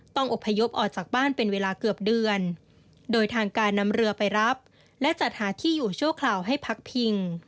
อบพยพออกจากบ้านเป็นเวลาเกือบเดือนโดยทางการนำเรือไปรับและจัดหาที่อยู่ชั่วคราวให้พักพิง